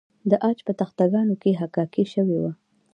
د عاج په تخته ګانو کې حکاکي شوې وه